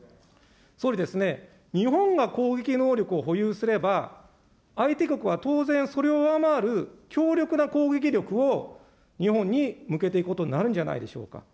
総理、日本が攻撃能力を保有すれば、相手国は当然それを上回る強力な攻撃力を日本に向けていくことになるんじゃないでしょうか。